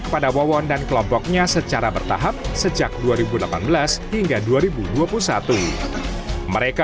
kepada wawon dan kelompoknya secara bertahap sejak dua ribu delapan belas hingga dua ribu dua puluh satu mereka